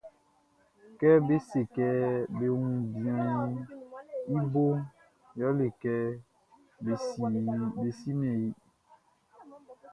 Kɛ be se kɛ be wun bianʼn, i boʼn yɛle kɛ be simɛn i.